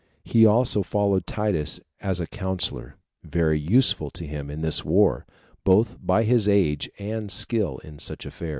He also followed Titus as a counselor, very useful to him in this war, both by his age and skill in such affairs.